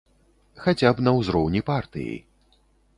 Хаця б на ўзроўні партыі.